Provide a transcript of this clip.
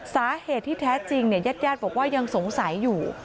สาเหตุที่แท้จริงญาติญาติบอกว่ายังสงสัยอยู่